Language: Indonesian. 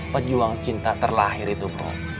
pejuang cinta terlahir itu prof